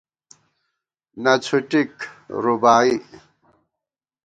نہ څھُوٹِک (رُباعی)